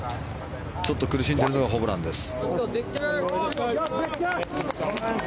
ちょっと苦しんでいるのがホブランです。